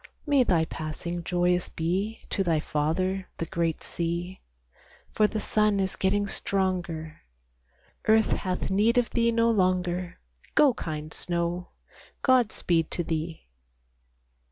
May thy passing joyous be To thy father, the great sea, For the sun is getting stronger; Earth hath need of thee no longer; Go, kind snow, God speed to thee!